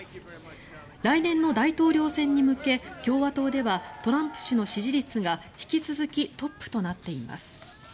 来年の大統領選に向け共和党ではトランプ氏の支持率が引き続きトップとなっています。